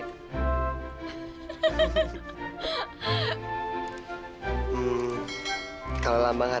tak ada lubang ya